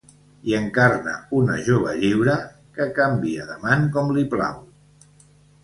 Hi encarna una jove lliure, que canvia d'amant com li plau.